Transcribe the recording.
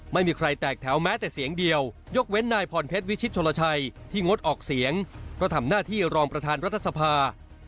ไม่มีใครแตกแถวแม้แต่เสียงเดียวยกเว้นนายพรเพชรวิชิตชนลชัยที่งดออกเสียงก็ทำหน้าที่รองประธานรัฐสภา